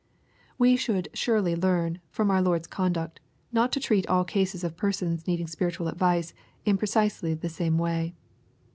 We should surely learn, from our Lord*s conduct, not to treat all cases of persons needing spiritual advice, in precisely the same way.